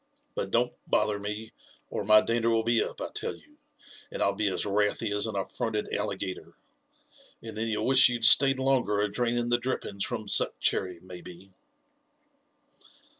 But don*t boliier me, or my dander will be up, I tell you, and I'll be as wrathy as an atTronted alligator; and then you'll wish you'd stayed longer a draining the drippings from Suc chcrry, maybe."